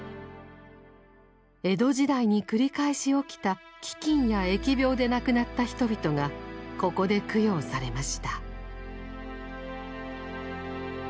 江戸時代に繰り返し起きた飢饉や疫病で亡くなった人々がここで供養されました。